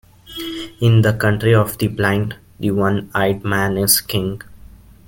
In the country of the blind, the one-eyed man is king.